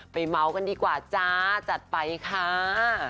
ไปเม้ากันดีกว่าจ้าจัดไปค่า